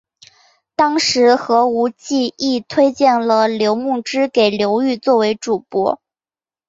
当时何无忌亦推荐了刘穆之给刘裕作为主簿。